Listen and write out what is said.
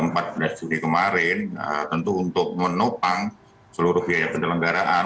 pada empat belas juni kemarin tentu untuk menopang seluruh biaya penelenggaraan